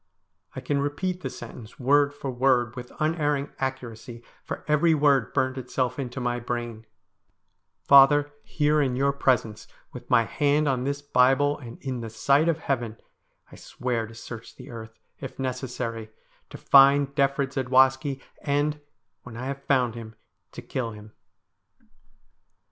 I can repeat the sentence word for word with unerring accuracy, for every word burned itself into my brain :' Father, here in your presence, with my hand on this Bible, and in the sight of Heaven, I swear to search the earth, if necessary, to find Defrid Zadwaski, and, when I have found him, to kill him.'